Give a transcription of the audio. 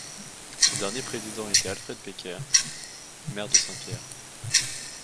Son dernier président était Alfred Becker, maire de Saint-Pierre.